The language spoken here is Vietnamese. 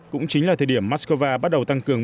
cũng chính là thời điểm moscow bắt đầu tăng cường